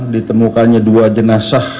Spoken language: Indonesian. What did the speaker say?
ditemukannya dua jenazah